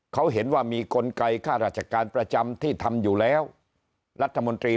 เขาเห็นว่ามีกลไกค่าราชการประจำที่ทำอยู่แล้วรัฐมนตรี